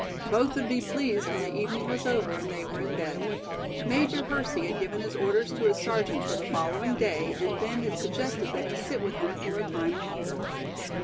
Both would be pleased when the evening was over and they were in bed. Major Hersey had given his orders to his sergeant for the following day and then had suggested that he sit with him for a time longer.